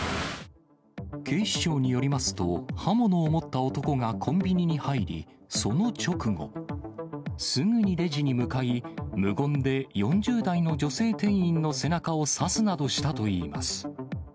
警視庁によりますと、刃物を持った男がコンビニに入り、その直後、すぐにレジに向かい、無言で４０代の女性店員の背中を刺すなどしたといいます。